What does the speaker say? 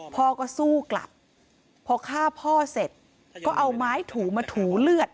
พ่อก็สู้กลับพอฆ่าพ่อเสร็จก็เอาไม้ถูมาถูเลือด